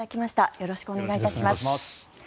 よろしくお願いします。